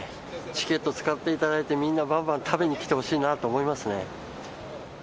チケット使っていただいて、みんなばんばん食べに来てほしいなと思いますね。